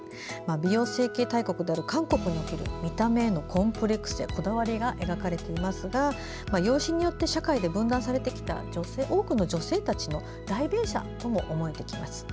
美容整形大国である韓国における見た目へのコンプレックスやこだわりが描かれていますが容姿によって社会に分断されてきた多くの女性たちの代弁者とも思えてきます。